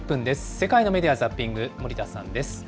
世界のメディア・ザッピング、森田さんです。